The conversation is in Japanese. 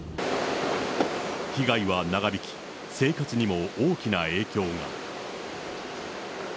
被害は長引き、生活にも大きな影響が。